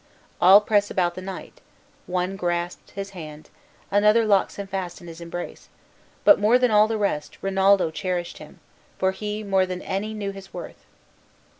All press about the knight; one grasps his hand, another locks him fast in his embrace; but more than all the rest, Rinaldo cherished him, for he more than any knew his worth.